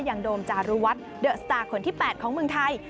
อย่างโดมจารุวัตรเดอะสตาร์คนที่แปดของเมืองไทย